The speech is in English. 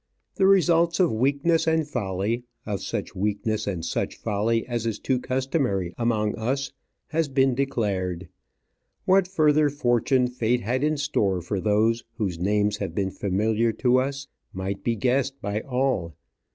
The results of weakness and folly of such weakness and such folly as is too customary among us have been declared. What further fortune fate had in store for those whose names have been familiar to us, might be guessed by all.